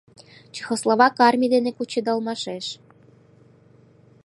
Чехословак армий дене кучедалмашеш.